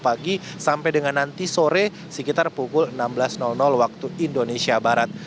pagi sampai dengan nanti sore sekitar pukul enam belas waktu indonesia barat